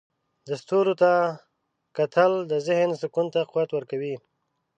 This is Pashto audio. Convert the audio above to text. د ستورو ته کتل د ذهن سکون ته قوت ورکوي.